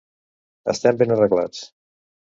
Estem ben arreglats!